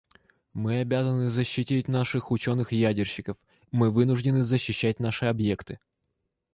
Мы обязаны защитить наших ученых-ядерщиков; мы вынуждены защищать наши объекты.